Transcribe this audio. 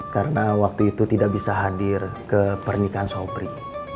karena waktu itu tidak bisa hadir ke pernikahan sopri